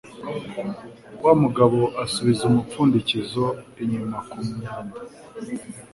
Wa mugabo asubiza umupfundikizo inyuma kumyanda.